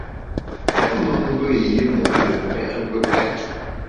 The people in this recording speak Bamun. Tèt me mbe i yimo’ ne pe’ kpùkpèt.